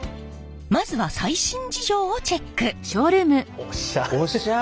まずは最新事情をチェック！